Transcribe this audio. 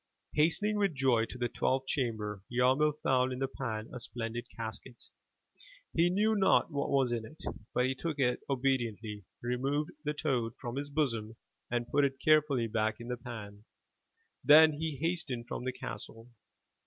Hastening with joy to the twelfth chamber, Yarmil found in the pan a splendid casket. He knew not what was in it, but he took it obediently, removed the toad from his bosom, and put it carefully back in the pan. Then he hastened from the castle.